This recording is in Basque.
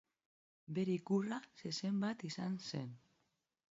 Bere ikurra zezen bat izan zen.